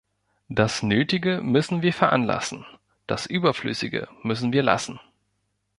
Das Nötige müssen wir veranlassen, das Überflüssige müssen wir lassen.